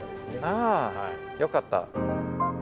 ああよかった。